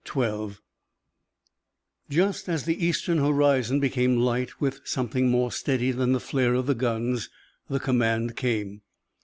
XII Just as the eastern horizon became light with something more steady than the flare of the guns, the command came.